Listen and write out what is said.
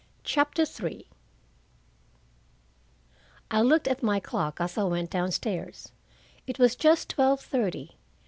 CHAPTER III I looked at my clock as I went down stairs. It was just twelve thirty.